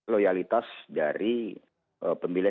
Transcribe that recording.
loyalitas dari pemilih pdi perjuangan